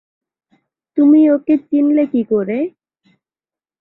তুমি ওকে চিনলে কি কোরে?